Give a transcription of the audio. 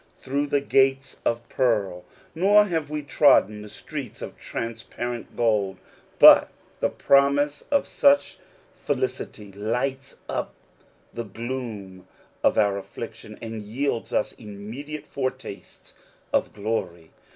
5 5 through the gates of pearl, nor have we trodden the streets of transparent gold ; but the promise of such felicity lights up the gloom of our affliction, and jaelds us immediate foretastes of glory.